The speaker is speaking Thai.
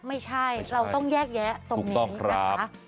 ไม่ใช่เราต้องแยกแยะตรงนี้นะคะ